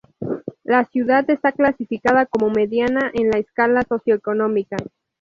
La ciudad está clasificada como mediana en la escala socioeconómica.